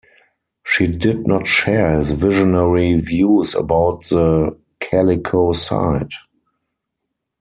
She did not share his visionary views about the Calico site.